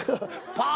パー！